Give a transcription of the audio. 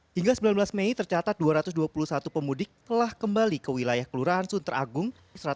hingga sembilan belas mei tercatat dua ratus dua puluh satu pemudik telah kembali ke wilayah kelurahan sunter agung